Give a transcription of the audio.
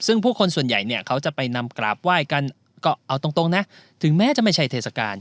ซึ่งพวกคนส่วนใหญ่จะไปนำกราบไห้กันกราบไหว้จะได้แต่ถึงแม่จะไม่ใช่เทศกาล